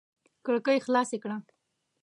کړکۍ خلاصې کړه!